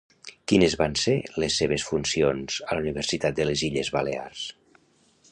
Quines van ser les seves funcions a la Universitat de les Illes Balears?